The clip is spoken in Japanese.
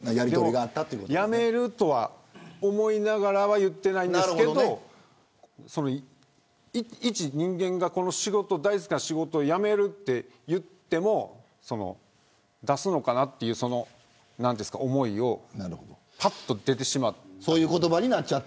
辞めるとは思いながらは言ってないですけどいち人間が、この大好きな仕事を辞めるっていっても出すのかな、という思いが、ぱっと出てしまって。